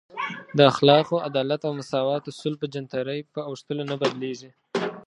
د اخلاقو، عدالت او مساوات اصول په جنترۍ په اوښتلو نه بدلیږي.